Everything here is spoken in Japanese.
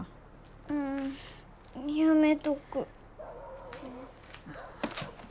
うんやめとく。